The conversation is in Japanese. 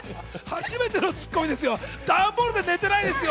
初めてのツッコミですよ。